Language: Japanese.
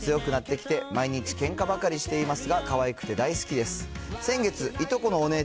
自我も強くなってきて、毎日けんかばかりしてますが、かわいくて大好きです。